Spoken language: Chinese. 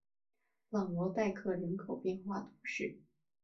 朗罗代克人口变化图示